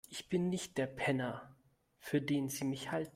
Ich bin nicht der Penner, für den Sie mich halten.